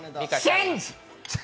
チェンジ！